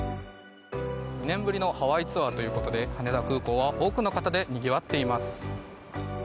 ２年ぶりのハワイツアーということで羽田空港は多くの方でにぎわっています。